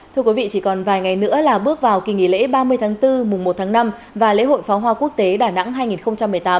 thưa quý vị chỉ còn vài ngày nữa là bước vào kỳ nghỉ lễ ba mươi tháng bốn mùa một tháng năm và lễ hội pháo hoa quốc tế đà nẵng hai nghìn một mươi tám